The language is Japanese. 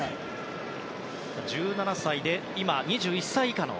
１７歳で今、２１歳以下の。